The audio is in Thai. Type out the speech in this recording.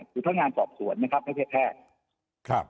คือพรรณงานออบสวนนะครับไม่แพทย์แพทย์